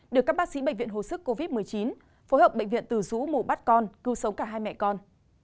được các bác sĩ bệnh viện hồ sức covid một mươi chín phối hợp bệnh viện từ dũ mù bắt con cứu sống cả hai mẹ con